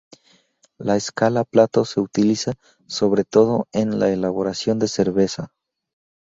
La escala Plato se utiliza, sobre todo, en la elaboración de cerveza.